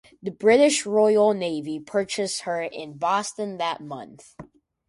The British Royal Navy purchased her in Boston that month.